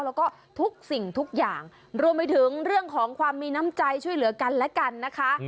แล้วก็ทุกสิ่งทุกอย่างรวมไปถึงเรื่องของความมีน้ำใจช่วยเหลือกันและกันนะคะ